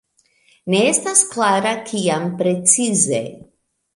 Ne estas klara kiam precize.